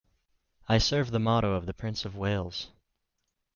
I serve the motto of the Prince of Wales.